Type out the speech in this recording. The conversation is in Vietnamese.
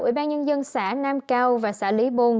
ủy ban nhân dân xã nam cao và xã lý bồn